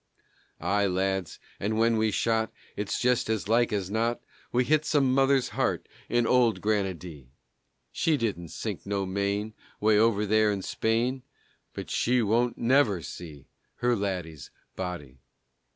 Aye, lads, and when we shot It's just as like as not We hit some mother's heart in old Granady. She didn't sink no Maine, 'Way over there in Spain, But she won't never see her laddy's body.